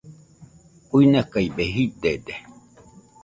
Uinakaibe jidede